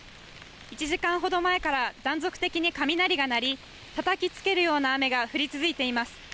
１時間ほど前から断続的に雷が鳴り、たたきつけるような雨が降り続いています。